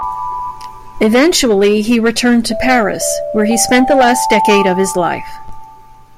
Eventually he returned to Paris, where he spent the last decade of his life.